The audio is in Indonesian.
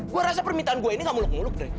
gue rasa permintaan gue ini gak muluk muluk deh